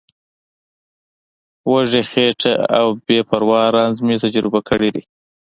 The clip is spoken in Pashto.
وږې خېټه او بې دوا رنځ مې تجربه کړی دی.